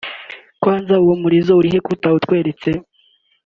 kwanza uwo murizo uri he ko atawutweretse